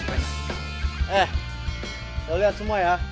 eh saya lihat semua ya